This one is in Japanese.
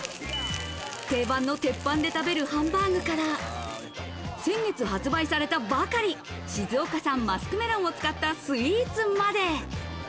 定番の鉄板で食べるハンバーグから先月発売されたばかり、静岡産マスクメロンを使ったスイーツまで。